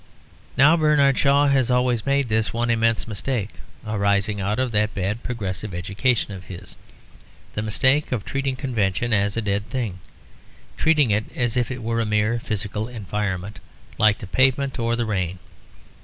Now Bernard Shaw has always made this one immense mistake (arising out of that bad progressive education of his), the mistake of treating convention as a dead thing; treating it as if it were a mere physical environment like the pavement or the rain.